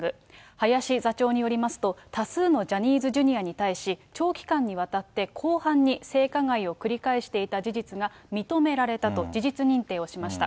林座長によりますと、多数のジャニーズＪｒ．に対し、長期間にわたって広範に性加害を繰り返していた事実が認められたと、事実認定をしました。